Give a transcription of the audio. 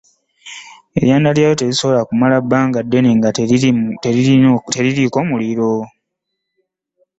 Eryanda lyayo terisobola kumala bbanga ddene nga teriri mu muliro .